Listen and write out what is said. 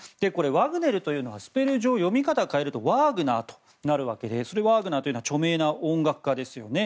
ワグネルというのはスペル上、読み方を変えるとワーグナーとなるわけでワーグナーは著名な音楽家ですよね。